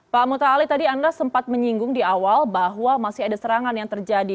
pak muta ali tadi anda sempat menyinggung di awal bahwa masih ada serangan yang terjadi